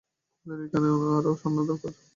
আমাদের এখানে আরো সৈন্য দরকার!